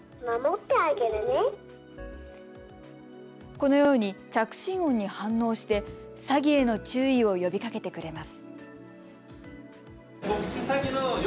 このように着信音に反応して詐欺への注意を呼びかけてくれます。